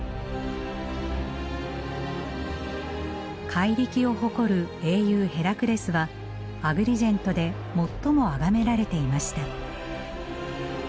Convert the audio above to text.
怪力を誇る英雄ヘラクレスはアグリジェントで最もあがめられていました。